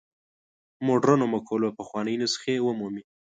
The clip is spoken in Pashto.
مډرنو مقولو پخوانۍ نسخې ومومي.